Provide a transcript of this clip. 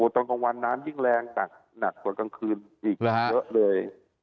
ตอนกลางวันน้ำยิ่งแรงหนักกว่ากลางคืนอีกเยอะเลย